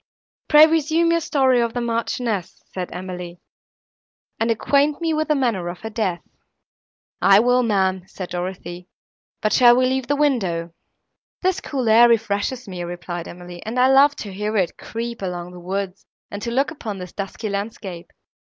"Pray resume your story of the Marchioness," said Emily, "and acquaint me with the manner of her death." "I will, ma'am," said Dorothée, "but shall we leave the window?" "This cool air refreshes me," replied Emily, "and I love to hear it creep along the woods, and to look upon this dusky landscape.